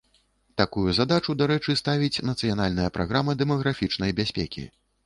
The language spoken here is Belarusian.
Такую задачу, дарэчы, ставіць нацыянальная праграма дэмаграфічнай бяспекі.